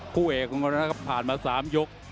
ผู้เอกทองรมาผลันมา๓ยก